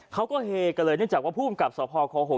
เขาก็เหกเลยเนื่องจากว่าผู้บังกับสค